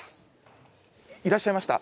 いらっしゃいました。